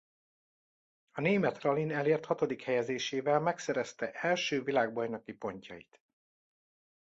A német ralin elért hatodik helyezésével megszerezte első világbajnoki pontjait.